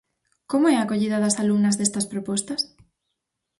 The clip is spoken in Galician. Como é a acollida das alumnas destas propostas?